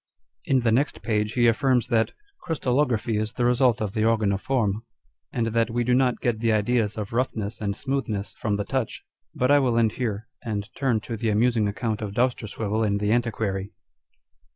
' In the next page he affirms that " crystallography is the result of the organ of form," and that we do not get the ideas of roughness and smoothness from the touch. But I will end here, and turn to the amusing account of Dousterswivel in the Antiquary